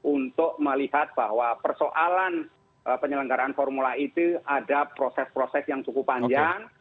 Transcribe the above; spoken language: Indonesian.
untuk melihat bahwa persoalan penyelenggaraan formula e itu ada proses proses yang cukup panjang